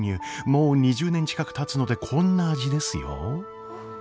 もう２０年近くたつのでこんな味ですよ。